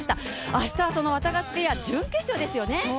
明日はそのワタガシペア、準決勝ですよね。